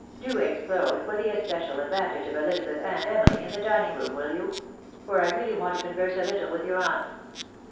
Do explode, for the especial advantage of Elizabeth and EmUy, in the dining room, will you? — ^for I reaUy want to converse a little with your aunt."